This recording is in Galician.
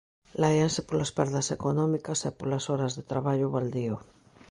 Láianse polas perdas económicas e polas horas de traballo baldío.